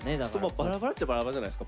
バラバラっちゃバラバラじゃないですか。